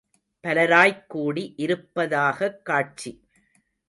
பலராய்க் கூடி இருப்பதாகக் காட்சி!